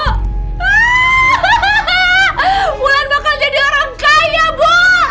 hulan bakal jadi orang kaya ibu